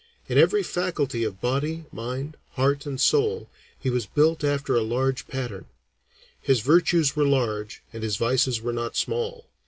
In every faculty of body, mind, heart, and soul he was built after a large pattern. His virtues were large and his vices were not small.